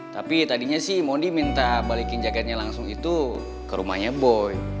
tapi tadinya sih modi minta balikin jaketnya langsung itu ke rumahnya boy